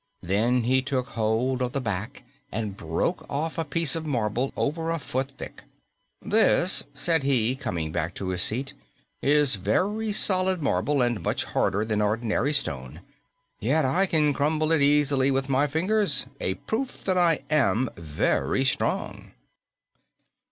Then he took hold of the back and broke off a piece of marble over a foot thick. "This," said he, coming back to his seat, "is very solid marble and much harder than ordinary stone. Yet I can crumble it easily with my fingers, a proof that I am very strong."